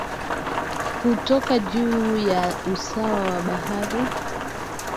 kutoka juu ya usawa wa bahari